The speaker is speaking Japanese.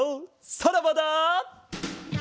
さらばだ！